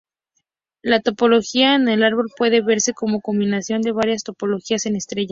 La topología en árbol puede verse como una combinación de varias topologías en estrella.